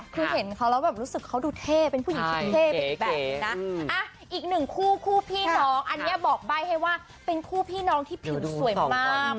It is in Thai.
คือเขารับรับรู้สึกเขาดูแท้เป็นผู้หญิงเท่ะไปแล้วยังและอีกหนึ่งคู่ผู้พี่นองอันเนี่ยบอกใบ้ให้ว่าเป็นคู่พี่นองที่ผิวสวยมาก